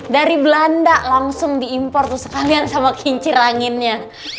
dari belanda langsung diimpor tuh sekalian sama kincir anginnya